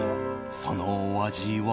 そのお味は？